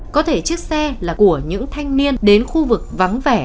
có thể chiếc xe là của những thanh niên đến khu vực vắng vẻ